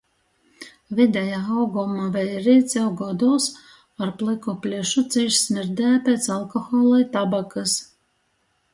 Videja auguma veirīts, jau godūs, ar plyku plešu, cīš smirdēja piec alkohola i tabakys.